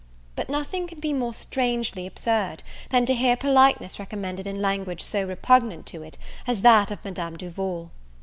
But nothing can be more strangely absurd, than to hear politeness recommended in language so repugnant to it as that of Madame Duval.